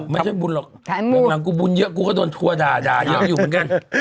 ไม่ใช่บุญหรอกวงหลังกูบุญเยอะกูก็โดนทัวร์ด่าเยอะอยู่เหมือนกัน